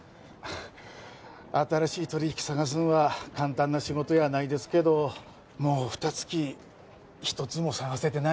新しい取り引き探すんは簡単な仕事やないですけどもうふた月一つも探せてない